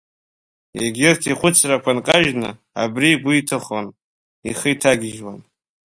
Егьырҭ ихәыцрақәа нкажьны, абри игәы иҭыхон, ихы иҭагьежьуан.